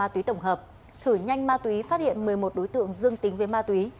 thử nhanh ma túy phát hiện một mươi một đối tượng dương tính với ma túy